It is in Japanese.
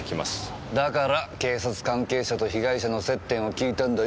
だから警察関係者と被害者の接点を聞いたんだよ。